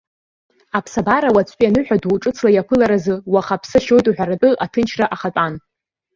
Аԥсабара уаҵәтәи аныҳәа ду ҿыцла иаԥыларазы уаха аԥсы ашьоит уҳәаратәы аҭынчра ахатәан.